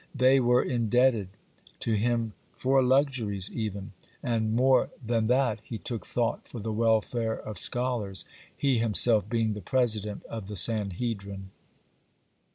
They were indebted to him for luxuries even, (75) and more than that, he took thought for the welfare of scholars, he himself being the president of the Sanhedrin.